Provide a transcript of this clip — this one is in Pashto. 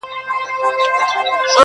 پر اغزیو راته اوښ وهي رمباړي!.